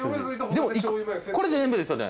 これで全部ですよね？